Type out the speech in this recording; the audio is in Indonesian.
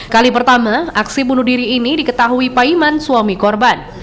kali pertama aksi bunuh diri ini diketahui paiman suami korban